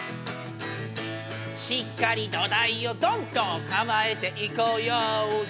「しっかり土台をどんとかまえていこうよセェイ」